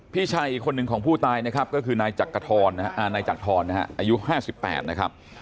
พี่ชายอีกคนหนึ่งของผู้ตายนะครับก็คือนายจักรทรอายุ๕๘นะครับ